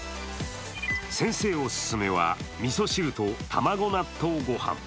先生オススメは、みそ汁と卵納豆ご飯。